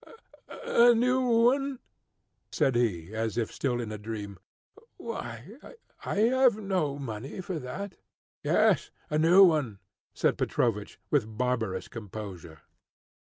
"A new one?" said he, as if still in a dream. "Why, I have no money for that." "Yes, a new one," said Petrovich, with barbarous composure.